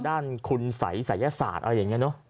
ด้านคุณสัยศัยศาสตร์อะไรอย่างนี้เนอะ